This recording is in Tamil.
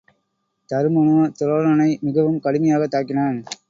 தருமனோ துரோணனை மிகவும் கடுமையாகத் தாக்கினான்.